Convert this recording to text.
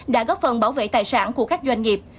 đã góp phần bảo vệ tài sản của các doanh nghiệp